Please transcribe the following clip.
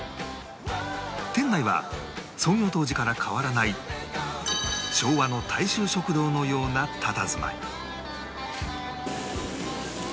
店内は創業当時から変わらない昭和の大衆食堂のようなたたずまい